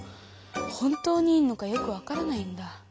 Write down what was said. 本当にいいのかよく分からないんだ。